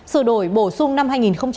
sửa đổi bổ sung năm hai nghìn một mươi bảy